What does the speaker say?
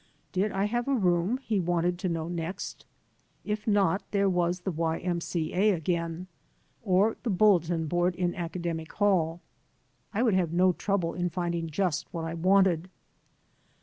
Did I have a room, he wanted to know next. If not, there was the Y. M. C. A. again, or the bulletin board in Academic Hall. I would have no trouble in finding just what I wanted.